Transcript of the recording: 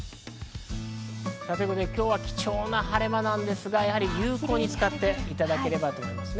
今日は貴重な晴れ間なんですが、有効に使っていただければと思いますね。